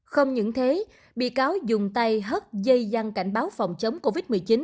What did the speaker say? không những thế bị cáo dùng tay hất dây răng cảnh báo phòng chống covid một mươi chín